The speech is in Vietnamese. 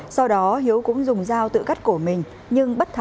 sau đó hiếu cũng dùng dao tự cắt cổ mình